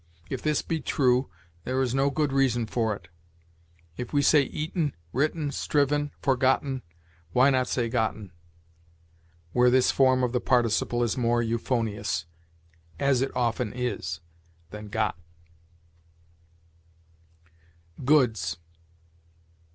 If this be true, there is no good reason for it. If we say eaten, written, striven, forgotten, why not say gotten, where this form of the participle is more euphonious as it often is than got? GOODS.